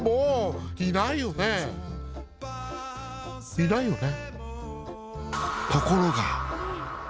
「いないよね？」。